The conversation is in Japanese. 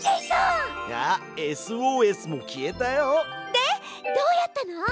でどうやったの？